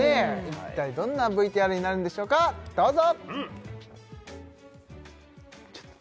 一体どんなＶＴＲになるんでしょうかどうぞ！